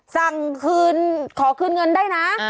สั่งคืนขอคืนเงินได้นะ